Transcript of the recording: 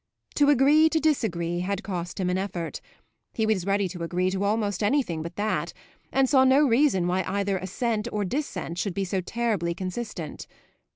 To agree to disagree had cost him an effort; he was ready to agree to almost anything but that, and saw no reason why either assent or dissent should be so terribly consistent.